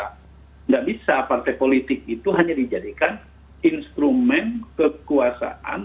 tidak bisa partai politik itu hanya dijadikan instrumen kekuasaan